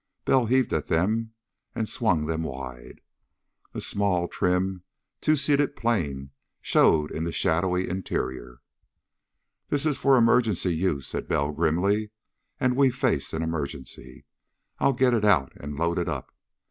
Bell heaved at them and swung them wide. A small, trim, two seated plane showed in the shadowy interior. "This is for emergency use," said Bell grimly, "and we face an emergency. I'll get it out and load it up.